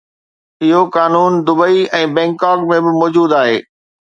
اهو قانون Dubai ۽ Bangkok ۾ به موجود آهي.